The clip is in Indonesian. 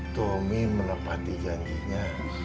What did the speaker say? tommy menepati janjinya